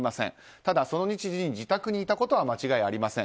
ただ、その日時に自宅にいたことは間違いありません。